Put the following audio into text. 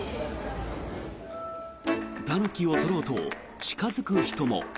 タヌキを撮ろうと近付く人も。